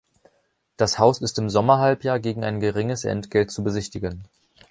Das Haus ist im Sommerhalbjahr gegen ein geringes Entgelt zu besichtigen.